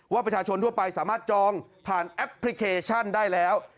ประชาชนทั่วไปสามารถจองผ่านแอปพลิเคชันได้แล้ว